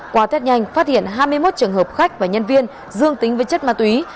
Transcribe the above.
qua tết nhanh phát hiện hai mươi một trường hợp khách và nhân viên dương tính với chất ma túy